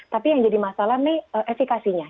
tapi yang jadi masalah nih efikasinya